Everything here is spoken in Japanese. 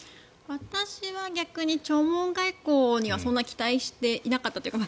私は逆に弔問外交にはそんなに期待していなかったというか。